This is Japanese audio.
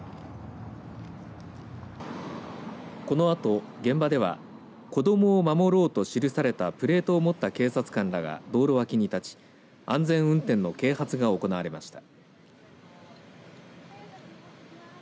このあと現場では子どもを守ろうと記されたプレートを持った警察官らが道路脇に立ち安全運転の啓発が行われました。